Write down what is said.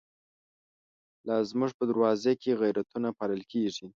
لازموږ په دروازوکی، غیرتونه پالل کیږی